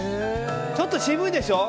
ちょっと渋いでしょ。